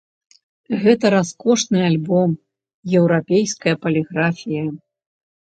Гэта раскошны альбом, еўрапейская паліграфія.